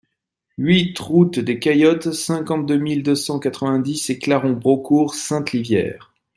huit route des Caillottes, cinquante-deux mille deux cent quatre-vingt-dix Éclaron-Braucourt-Sainte-Livière